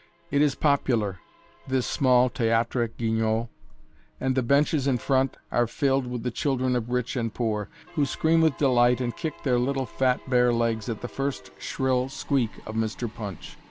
It is popular this small "Théâtre Guignol," and the benches in front are filled with the children of rich and poor, who scream with delight and kick their little, fat bare legs at the first shrill squeak of Mr. Punch.